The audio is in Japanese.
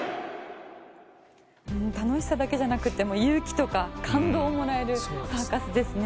楽しさだけじゃなくて勇気とか感動をもらえるサーカスですね。